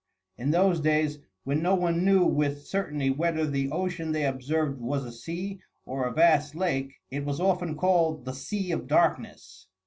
In those days, when no one knew with certainty whether the ocean they observed was a sea or a vast lake, it was often called "The Sea of Darkness."